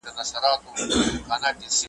هغه بېغمه له مرګه ژونده ,